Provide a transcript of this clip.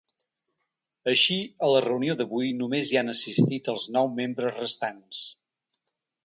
Així, a la reunió d’avui només hi han assistit els nou membres restants.